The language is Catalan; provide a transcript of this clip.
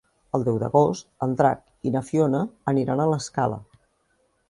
El deu d'agost en Drac i na Fiona aniran a l'Escala.